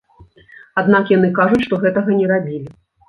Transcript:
Аднак яны кажуць, што гэтага не рабілі.